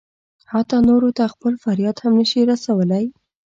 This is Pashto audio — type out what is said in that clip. حتی نورو ته خپل فریاد هم نه شي رسولی.